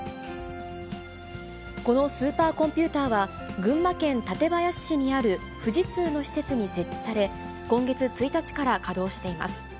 このスーパーコンピューターは、群馬県館林市にある富士通の施設に設置され、今月１日から稼働しています。